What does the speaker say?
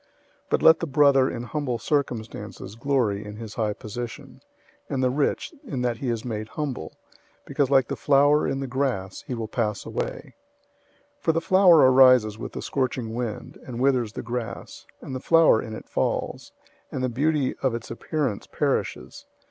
001:009 But let the brother in humble circumstances glory in his high position; 001:010 and the rich, in that he is made humble, because like the flower in the grass, he will pass away. 001:011 For the sun arises with the scorching wind, and withers the grass, and the flower in it falls, and the beauty of its appearance perishes.